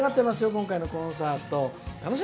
今回のコンサート。